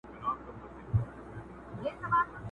یو د بل په وینو پایو یو د بل قتلونه ستایو٫